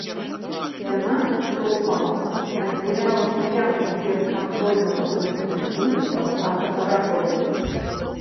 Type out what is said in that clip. Сцяна, што ўпала, аддзяляла стаянку перад кантрольна-прапускным пунктам ад гаражоў.